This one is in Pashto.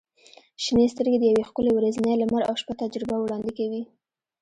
• شنې سترګې د یوې ښکلي ورځنۍ لمر او شپه تجربه وړاندې کوي.